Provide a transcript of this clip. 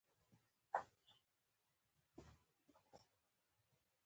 • د زړۀ د تشولو لپاره کښېنه.